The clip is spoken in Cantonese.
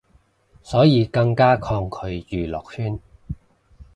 所以更加抗拒娛樂圈